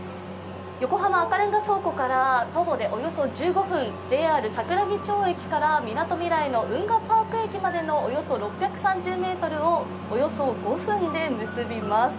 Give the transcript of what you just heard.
横浜赤レンガ倉庫から徒歩でおよそ１５分、ＪＲ桜木町駅からみなとみらいの運河パーク駅までのおよそ６３０ｍをおよそ５分で結びます